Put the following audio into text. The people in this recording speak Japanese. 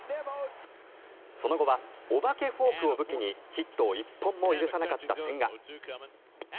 その後はお化けフォークを武器にヒットを一本も許さなかった千賀。